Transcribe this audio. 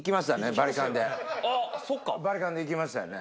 バリカンで行きましたよね。